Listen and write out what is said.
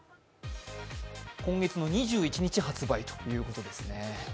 今月２１日発売ということですね。